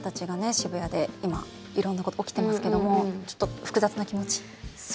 渋谷で今、いろんなことが起きていますけどもちょっと、複雑な気持ち？